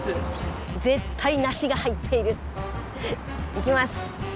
いきます。